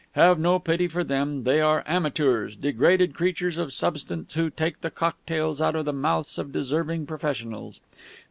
Have no pity for them. They are amateurs degraded creatures of substance who take the cocktails out of the mouths of deserving professionals.